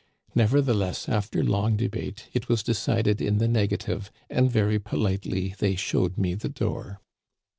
Nevertheless, after long debate, it was decided in the negative, and very politely they showed me the door.